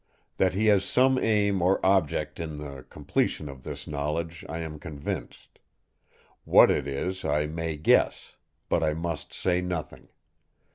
That he has some aim or object in the completion of this knowledge I am convinced. What it is I may guess; but I must say nothing.